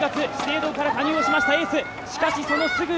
今年４月、資生堂から加入をしましたエース。